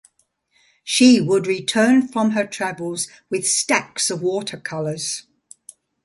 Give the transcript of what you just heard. She would return from her travels with stacks of water colours.